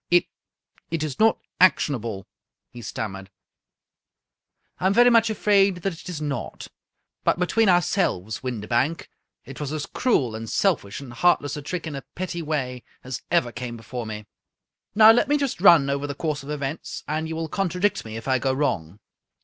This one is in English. " It — it's not ac tionable," he stammered. " I am very much afraid that it is not ; but between our selves, Windibank, it was as cruel, and selfish, and heart less a trick in a petty way as ever came before me. Now, let me just run over the course of events, and you will contradict me if I go wrong."